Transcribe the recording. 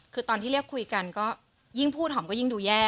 คือตอนที่เรียกคุยกันก็ยิ่งพูดหอมก็ยิ่งดูแย่